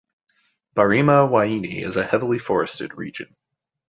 Barima-Waini is a heavily forested region.